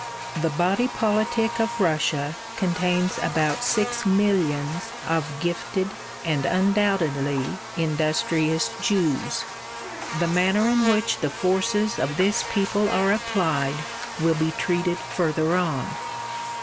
The body politic of Russia contains about six millions of gifted and undoubtedly industrious Jews. The manner in which the forces of this people are applied will be treated further on.